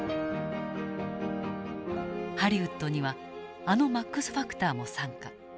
ハリウッドにはあのマックス・ファクターも参加。